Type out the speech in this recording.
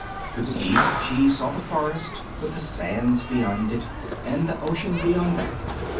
To the east she saw the forest, with the sands beyond it and the ocean beyond that.